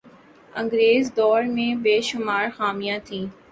انگریز دور میں بے شمار خامیاں تھیں